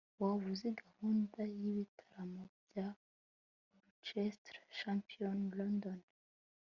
waba uzi gahunda y'ibitaramo bya orchestre symphony london